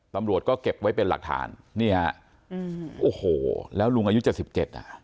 ตำรวจก็เก็บไว้เป็นหลักฐานนี่ฮะอืมโอ้โหแล้วลุงอายุเจ็ดสิบเจ็ดอ่ะ